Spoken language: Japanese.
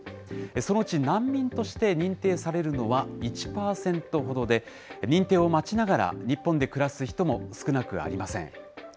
そのうち難民として認定されるのは、１％ほどで、認定を待ちながら、日本で暮らす人も少なくありません。